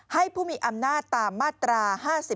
ให้ผู้มีอำนาจตามมาตรา๕๔